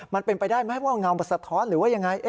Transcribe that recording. มันเป็นไปได้ไหมว่าเงามันสะท้อนหรือว่ายังไง